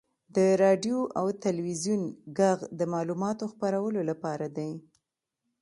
• د راډیو او تلویزیون ږغ د معلوماتو خپرولو لپاره دی.